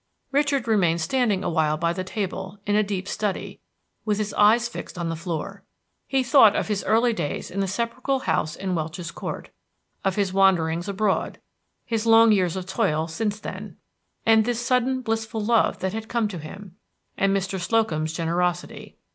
Richard remained standing awhile by the table, in a deep study, with his eyes fixed on the floor. He thought of his early days in the sepulchral house in Welch's Court, of his wanderings abroad, his long years of toil since then, and this sudden blissful love that had come to him, and Mr. Slocum's generosity.